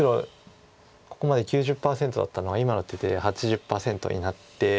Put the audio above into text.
ここまで９０％だったのが今の手で８０％になって。